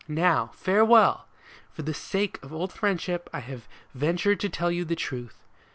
Now, farewell ! For the sake of old friendship I have ventured to tell you the truth.